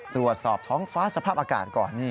ตรวจสอบท้องฟ้าสภาพอากาศก่อน